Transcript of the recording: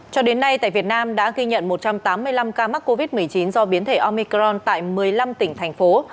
cho đến nay tại việt nam đã ghi nhận một trăm tám mươi năm ca mắc covid một mươi chín do biến thể omicron tại một mươi năm tỉnh thành phố